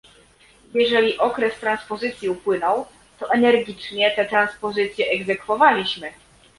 Jeżeli okres transpozycji upłynął, to energicznie tę transpozycję egzekwowaliśmy